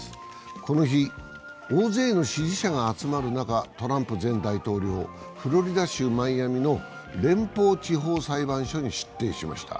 この日、大勢の支持者が集まる中、トランプ前大統領、フロリダ州マイアミの連邦地方裁判所に出廷しました。